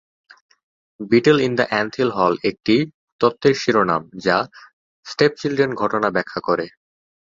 Beetle in the anthill হল একটি তত্ত্বের শিরোনাম যা স্টেপচিল্ড্রেন ঘটনা ব্যাখ্যা করে।